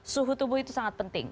suhu tubuh itu sangat penting